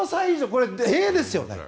これ、えー！ですよね。